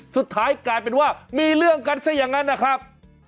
สุดท้ายกลายเป็นว่ามีเรื่องกันซะอย่างนั้นนะครับ